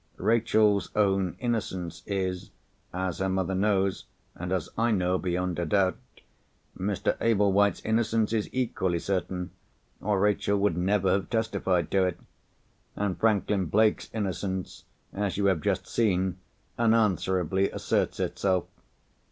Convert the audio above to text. Rachel's own innocence is (as her mother knows, and as I know) beyond a doubt. Mr. Ablewhite's innocence is equally certain—or Rachel would never have testified to it. And Franklin Blake's innocence, as you have just seen, unanswerably asserts itself.